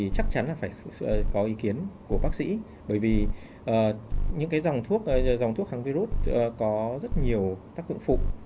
có ý kiến của bác sĩ bởi vì những cái dòng thuốc kháng virus có rất nhiều tác dụng phụ